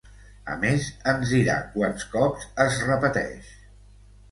A més, ens dirà quants cops es repeteix.